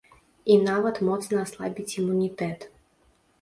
І нават моцна аслабіць імунітэт.